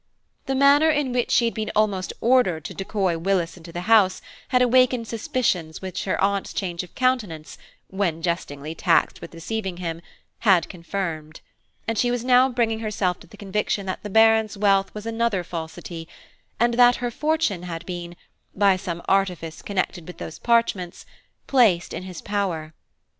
The manner in which she had been almost ordered to decoy Willis into the house had awakened suspicions which her Aunt's change of countenance, when jestingly taxed with deceiving him, had confirmed; and she was now bringing herself to the conviction that the Baron's wealth was another falsity, and that her fortune had been, by some artifice connected with those parchments, placed in his power.